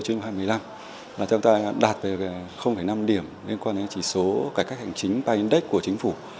chúng ta đã đạt về năm điểm liên quan đến chỉ số cải cách hành chính ba index của chính phủ